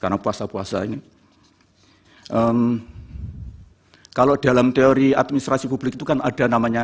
karena puasa puasa ini kalau dalam teori administrasi publik itu kan ada namanya